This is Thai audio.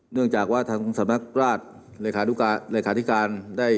เนื่องจากว่าทางสัตว์นักราชหลักขาดูการหลักขาธิการ